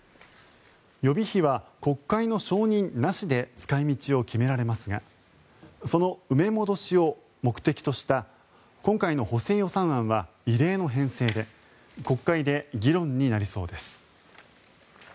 予備費は国会の承認なしで使い道を決められますがその埋め戻しを目的とした今回の補正予算案は異例の編成で国会で議論になりそうです。